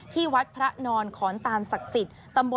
ที่วัดพระนอนขอนตานศักดิ์สิทธิ์